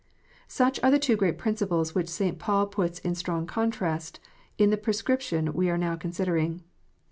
Such are the two great principles which St. Paul puts in strong contrast in the prescription we are now considering.